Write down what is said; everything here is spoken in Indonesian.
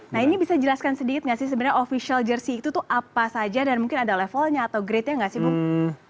nah ini bisa jelaskan sedikit nggak sih sebenarnya official jersey itu tuh apa saja dan mungkin ada levelnya atau grade nya nggak sih bu